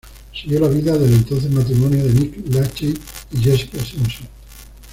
Siguió la vida del entonces matrimonio de Nick Lachey y Jessica Simpson.